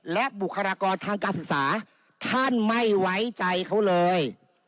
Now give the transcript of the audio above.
และบุคลากรทางการศึกษาท่านไม่ไว้ใจเขาเลย